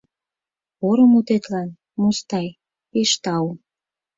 Пуро мутетлан, Мустай, пеш тау.